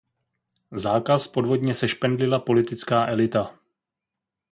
Zákaz podvodně sešpendlila politická elita.